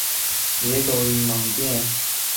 野狗与缅甸蟒蛇是赤麂的主要天敌。